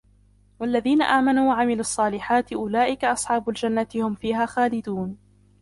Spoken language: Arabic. والذين آمنوا وعملوا الصالحات أولئك أصحاب الجنة هم فيها خالدون